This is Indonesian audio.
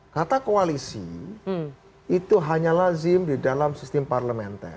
kata koalisi itu hanya lazim di dalam sistem parlementer